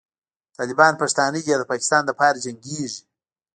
طالبان پښتانه دي او د پاکستان لپاره جنګېږي.